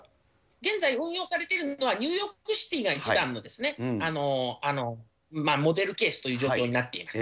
現在、運用されてるのはニューヨークシティーが一番のモデルケースという状況になっています。